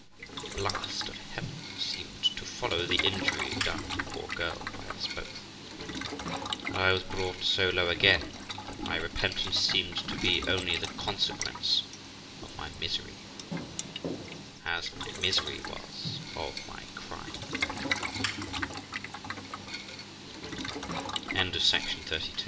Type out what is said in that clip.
The blast of Heaven seemed to follow the injury done the poor girl by us both, and I was brought so low again, that my repentance seemed to be only the consequence of my misery, as my misery was of my